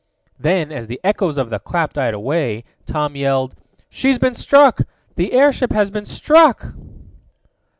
Then, as the echoes of the clap died away, Tom yelled: "She's been struck! The airship has been struck!"